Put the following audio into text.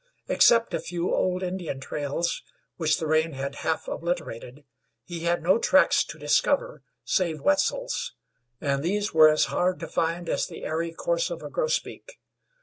Except a few old Indian trails, which the rain had half obliterated, he had no tracks to discover save Wetzel's, and these were as hard to find as the airy course of a grosbeak.